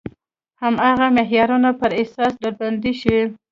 هماغه معیارونو پر اساس ډلبندي شي.